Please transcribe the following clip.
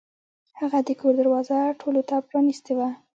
هغه د کور دروازه ټولو ته پرانیستې وه.